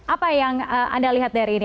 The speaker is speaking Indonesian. apa yang anda lihat dari ini